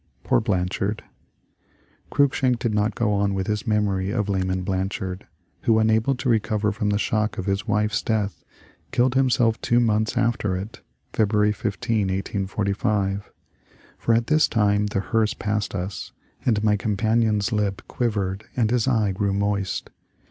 Poor Blanchard !" Cruikshank did not go on with his memory of Laman Blanchard, who, unable to recover from the shock of his wife's death, killed himself two months after it, February 15, 1845. For at this time the hearse passed us, and my com panion's lip quivered and his eye grew moist.